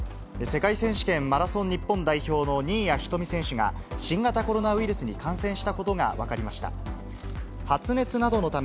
世界選手権マラソン日本代表の新谷仁美選手が、新型コロナウイルスに感染したことが分かりました。